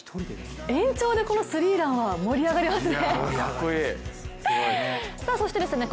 延長でスリーランは盛り上がりますね。